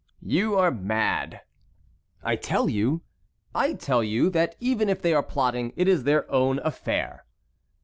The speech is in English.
"You are mad." "I tell you"— "I tell you that even if they are plotting it is their own affair."